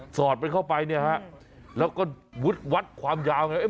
อดไปเข้าไปเนี่ยฮะแล้วก็วัดความยาวไง